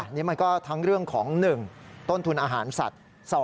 นี่มันก็ทั้งเรื่องของ๑ต้นทุนอาหารสัตว์